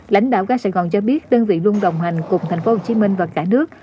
lãnh đạo ga sài gòn cho biết đơn vị luôn đồng hành cùng tp hcm và cả nước